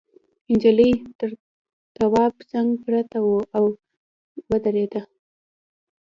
نجلۍ تر تواب څنگ پرته وه او ودرېده.